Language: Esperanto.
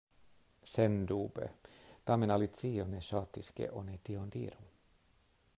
Sendube! Tamen Alicio ne ŝatis ke oni tion diru.